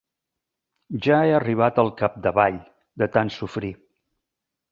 Ja he arribat al capdavall, de tant sofrir.